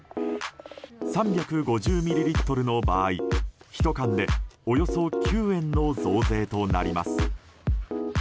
３５０ミリリットルの場合１缶でおよそ９円の増税となります。